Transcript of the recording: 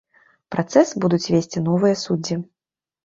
Працэс будуць весці новыя суддзі.